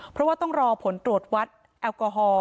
เพราะว่าต้องรอผลตรวจวัดแอลกอฮอล